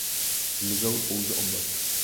Zmizel pouze oblek.